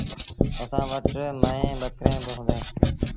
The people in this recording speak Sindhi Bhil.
اَسآݩ وٽ ميݩوهيݩ ٻڪريݩ با هُݩديٚݩ۔